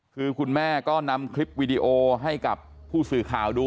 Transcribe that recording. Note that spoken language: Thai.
คือคุณแม่ก็นำคลิปวิดีโอให้กับผู้สื่อข่าวดู